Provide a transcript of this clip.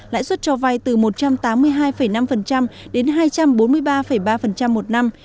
lãi suất cho vay từ một trăm tám mươi hai năm đến hai trăm bốn mươi ba ba một năm